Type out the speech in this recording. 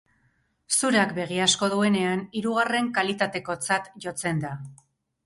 Zurak begi asko duenean hirugarren kalitatekotzat jotzen da.